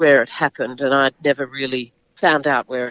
dan saya tidak pernah mengetahui kemana itu terjadi